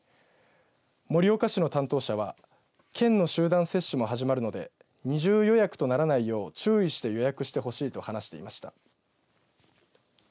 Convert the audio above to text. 盛岡市の担当者は県の集団接種も始まるので二重予約とならないよう注意して予約してほしいと話していました。